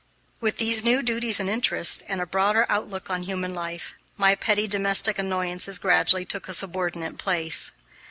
With these new duties and interests, and a broader outlook on human life, my petty domestic annoyances gradually took a subordinate place.